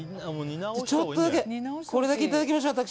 ちょっとだけこれだけ入れておきましょう。